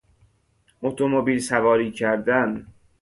اتومبیل سواری کردن